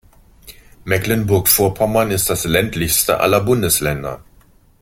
Mecklenburg-Vorpommern ist das ländlichste aller Bundesländer.